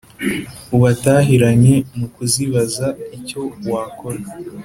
ubatahiranye mu kuzibaza icyo wakora,